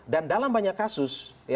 dan dalam banyak kasus